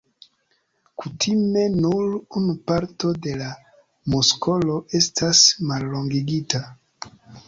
Kutime nur unu parto de la muskolo estas mallongigita.